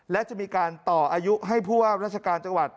และจะมีการต่ออายุให้ผู้ว่าราชการจังหวัด